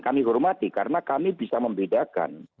kami hormati karena kami bisa membedakan